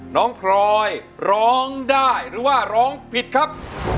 พลอยร้องได้หรือว่าร้องผิดครับ